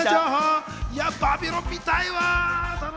『バビロン』見たいわ。